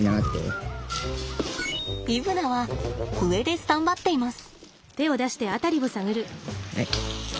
イブナは上でスタンバっています。